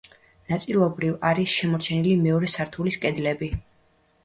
ნაწილობრივ არის შემორჩენილი მეორე სართულის კედლები.